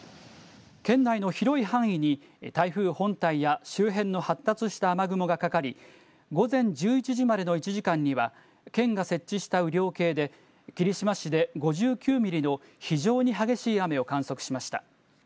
県内の広い範囲に台風本体や周辺の発達した雨雲がかかり、午前１１時までの１時間には、県が設置した雨量計で、霧島市で５９ミリの非常に激しい雨を観測しました。